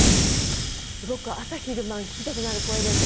すごく朝昼晩聞きたくなる声でした。